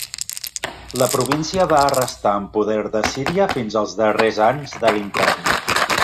La província va restar en poder d'Assíria fins als darrers anys de l'imperi.